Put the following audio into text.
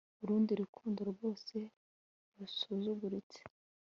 Urundi rukundo rwose rusuzuguritse